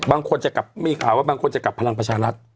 บางคนจะกลับมีข่าวว่าบางคนจะกลับพลังประชารัฐ